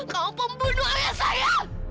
kau pembunuh ayah saya